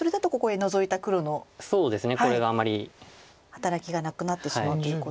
働きがなくなってしまうということで。